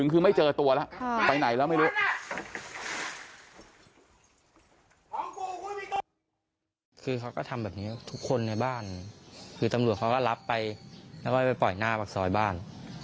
คือเขาก็ทำแบบนี้ทุกคนในบ้านคือตำรวจเขาก็รับไปแล้วก็ไปปล่อยหน้าปากซอยบ้าน